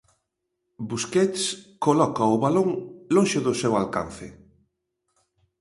Busquets coloca o balón lonxe do seu alcance.